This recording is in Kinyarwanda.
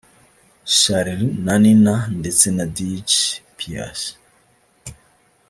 Charly na Nina ndetse na Dj Pius